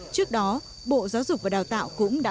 trước đó bộ giáo dục và đào tạo cũng đảm bảo